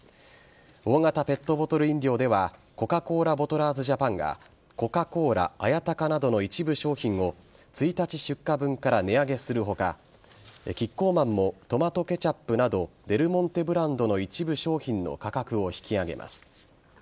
大型ペットボトル飲料ではコカ・コーラボトラーズジャパンがコカ・コーラ、綾鷹などの一部商品を１日出荷分から値上げする他キッコーマンもトマトケチャップなどデルモンテブランドの一部商品の価格を引き上げます。